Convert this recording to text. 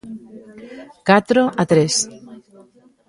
Catro a tres.